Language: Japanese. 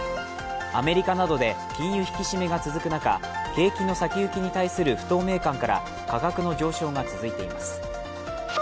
アメリカなどで金融引き締めが続く中、景気の先行きに対する不透明感から価格の上昇が続いています。